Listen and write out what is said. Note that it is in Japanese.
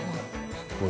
すごい。